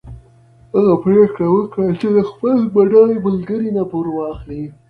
هغه پرېکړه وکړه چې له خپل بډای ملګري نه پور واخلي.